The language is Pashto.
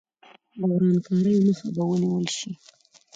ورانکاریو مخه به یې ونیول شي.